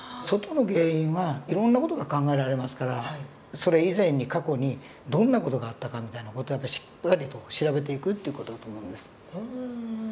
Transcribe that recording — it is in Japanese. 外の原因はいろんな事が考えられますからそれ以前に過去にどんな事があったかみたいな事をしっかりと調べていくという事だと思うんです。